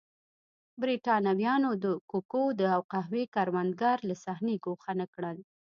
برېټانویانو د کوکو او قهوې کروندګر له صحنې ګوښه نه کړل.